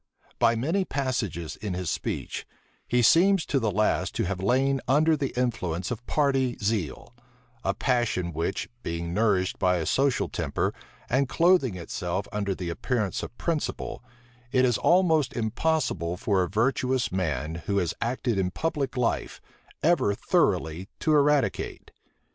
By many passages in his speech, he seems to the last to have lain under the influence of party zeal; a passion which, being nourished by a social temper, and clothing itself under the appearance of principle, it is almost impossible for a virtuous man, who has acted in public life, ever thoroughly to eradicate.